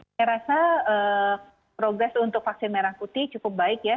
saya rasa progres untuk vaksin merah putih cukup baik ya